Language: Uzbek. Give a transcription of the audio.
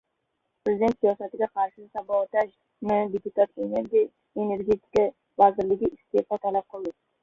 Prezident siyosatiga qarshi «sabotaj»mi? — deputat Energetika vaziridan iste’fo talab qildi